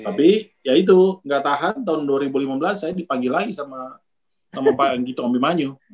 tapi ya itu gak tahan tahun dua ribu lima belas saya dipanggil lagi sama sama pak anggito omimanyu